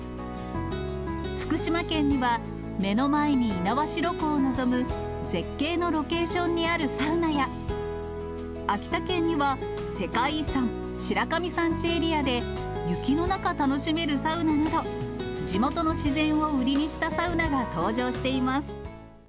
福島県には、目の前に猪苗代湖を臨む絶景のロケーションにあるサウナや、秋田県には、世界遺産・白神山地エリアで、雪の中、楽しめるサウナなど、地元の自然を売りにしたサウナが登場しています。